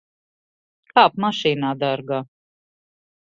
Kāp mašīnā, dārgā.